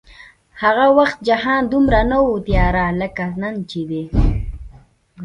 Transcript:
هغه وخت جهان دومره نه و تیاره لکه نن چې دی